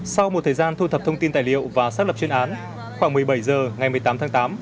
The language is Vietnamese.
sau một thời gian thu thập thông tin tài liệu và xác lập chuyên án khoảng một mươi bảy h ngày một mươi tám tháng tám